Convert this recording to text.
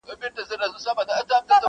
غر غړې د اوښ عادت دئ.